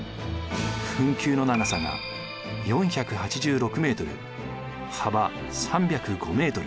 墳丘の長さが４８６ｍ幅３０５ｍ。